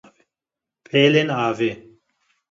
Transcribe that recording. Pêlên avê